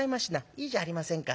いいじゃありませんか。